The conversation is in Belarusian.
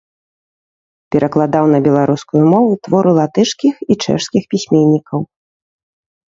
Перакладаў на беларускую мову творы латышскіх і чэшскіх пісьменнікаў.